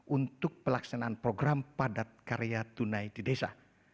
untuk pelaksanaan program padat karya tunai di desa